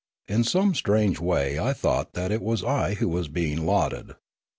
In some strange way I thought that it was I who was being lauded.